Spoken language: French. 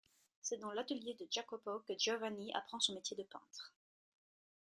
C’est dans l’atelier de Jacopo que Giovanni apprend son métier de peintre.